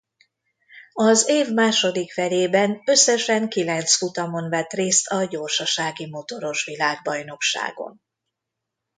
Az év második felében összesen kilenc futamon vett részt a gyorsaságimotoros-világbajnokságon.